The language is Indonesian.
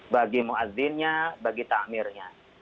bagi muazzinnya bagi tamirnya